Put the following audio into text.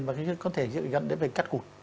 và có thể dự dẫn đến với cắt cụt